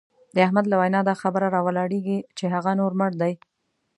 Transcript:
د احمد له وینا دا خبره را ولاړېږي چې هغه نور مړ دی.